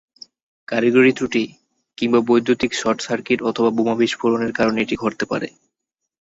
কারিগরি ত্রুটি, কিংবা বৈদ্যুতিক শর্টসার্কিট অথবা বোমা বিস্ফোরণের কারণে এটি ঘটতে পারে।